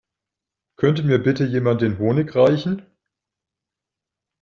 Könnte mir bitte jemand den Honig reichen?